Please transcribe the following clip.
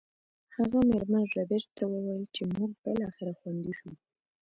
هغه میرمن ربیټ ته وویل چې موږ بالاخره خوندي شو